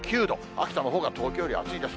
秋田のほうが東京より暑いです。